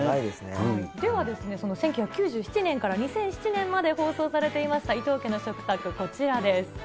では、１９９７年から２００７年まで放送されていました、伊東家の食卓、こちらです。